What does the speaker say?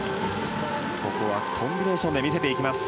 ここはコンビネーションで魅せていきます。